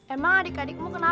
emang adik adikmu kenapa